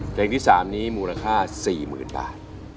เพลงที่๓นี้มูลค่า๔๐๐๐บาท